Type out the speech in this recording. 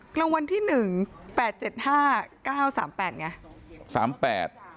กระวันที่หนึ่ง๘๗๕๙๓๘ไง